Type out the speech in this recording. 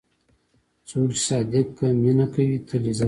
څوک چې صادق مینه کوي، تل عزت لري.